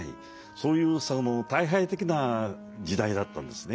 そういう退廃的な時代だったんですね。